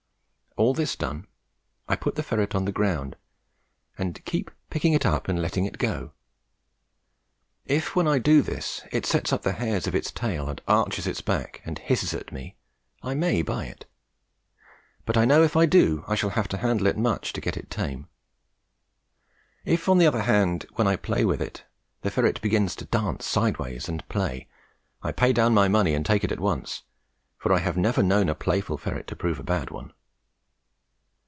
All this done, I put the ferret on the ground and keep picking it up and letting it go; if when I do this it sets up the hairs of its tail, arches its back and hisses at me, I may buy it; but I know, if I do, I shall have to handle it much to get it tame. If, on the other hand, when I play with it the ferret begins to dance sideways and play, I pay down my money and take it at once, for I have never known a playful ferret to prove a bad one.